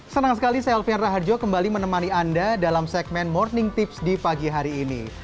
senang sekali saya alfian raharjo kembali menemani anda dalam segmen morning tips di pagi hari ini